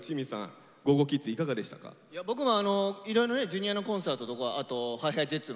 僕もいろいろねＪｒ．のコンサートとかＨｉＨｉＪｅｔｓ